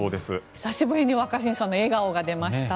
久しぶりに若新さんの笑顔が出ました。